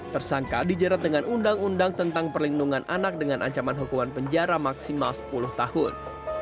tersangka dijerat dengan undang undang tentang perlindungan anak dengan ancaman hukuman penjara maksimal sepuluh tahun